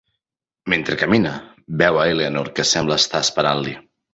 Mentre camina, veu a Eleanor que sembla estar esperant-li.